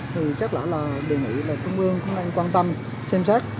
thì chắc là là đề nghị là trung ương cũng nên quan tâm xem sát